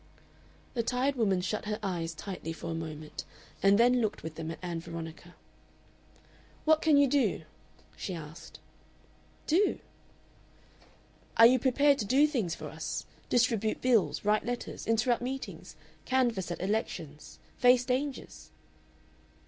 The tired woman shut her eyes tightly for a moment, and then looked with them at Ann Veronica. "What can you do?" she asked. "Do?" "Are you prepared to do things for us? Distribute bills? Write letters? Interrupt meetings? Canvass at elections? Face dangers?"